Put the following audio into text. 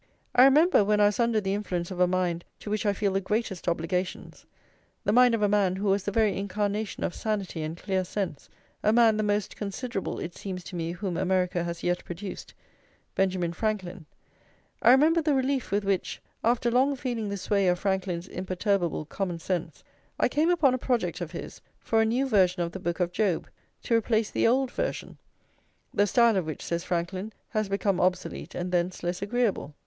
I remember, when I was under the influence of a mind to which I feel the greatest obligations, the mind of a man who was the very incarnation of sanity and clear sense, a man the most considerable, it seems to me, whom America has yet produced, Benjamin Franklin, I remember the relief with which, after long feeling the sway of Franklin's imperturbable common sense, I came upon a project of his for a new version of the Book of Job, to replace the old version, the style of which, says Franklin, has become obsolete, and thence less agreeable.